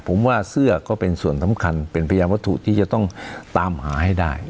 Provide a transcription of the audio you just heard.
ผมว่าเสื้อก็เป็นส่วนสำคัญเป็นพยานวัตถุที่จะต้องตามหาให้ได้